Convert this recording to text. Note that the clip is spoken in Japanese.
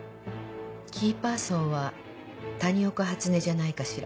キーパーソンは谷岡初音じゃないかしら。